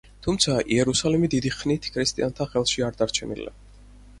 თუმცა, იერუსალიმი დიდი ხნით ქრისტიანთა ხელში არ დარჩენილა.